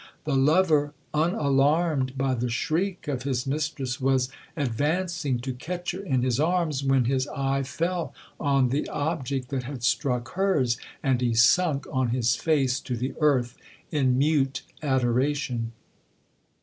The lover, unalarmed by the shriek of his mistress, was advancing to catch her in his arms, when his eye fell on the object that had struck hers, and he sunk on his face to the earth, in mute adoration.